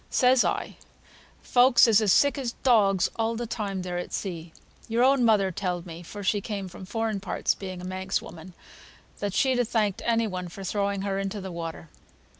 Says I, 'Folks is as sick as dogs all the time they're at sea. Your own mother telled me (for she came from foreign parts, being a Manx woman) that she'd ha thanked any one for throwing her into the water.'